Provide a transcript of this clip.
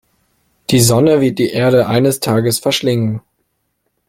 Die Sonne wird die Erde eines Tages verschlingen.